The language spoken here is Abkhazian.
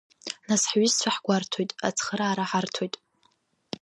Нас ҳҩызцәа ҳгәарҭоит, ацхыраара ҳарҭоит.